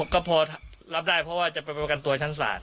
ก็พอรับได้เพราะว่าจะไปประกันตัวชั้นศาล